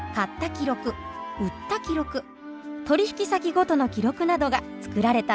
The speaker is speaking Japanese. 記録売った記録取引先ごとの記録などが作られたんです。